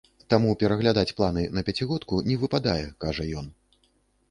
Таму пераглядаць планы на пяцігодку не выпадае, кажа ён.